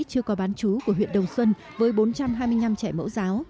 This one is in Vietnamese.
chưa có bán chú của huyện đồng xuân với bốn trăm hai mươi năm trẻ mẫu giáo